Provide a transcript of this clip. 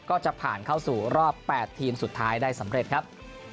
ก็จะผ่านเข้าสู่รอบ๘ทีมสุดท้ายได้สำเร็จครับ